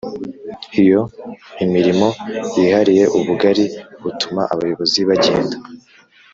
Iyo imirimo yihariye ubugari butuma abayobozi bagenda